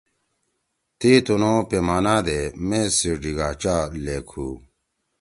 تی تُنُو پیمانے میز سی ڙیگاچا لیکُھو۔